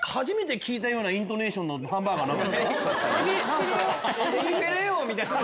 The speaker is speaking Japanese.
初めて聞いたイントネーションのハンバーガーなかった？